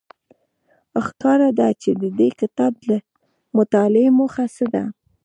ښکاره ده چې د دې کتاب د مطالعې موخه څه ده.